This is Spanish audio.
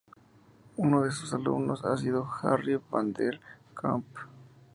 Uno de sus alumnos ha sido Harry van der Kamp.